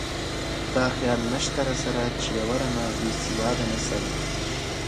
دا خیال نشته راسره چې یوه رمه بې سواده نسل.